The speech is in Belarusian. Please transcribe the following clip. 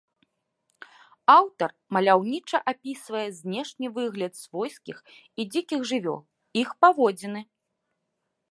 Аўтар маляўніча апісвае знешні выгляд свойскіх і дзікіх жывёл, іх паводзіны.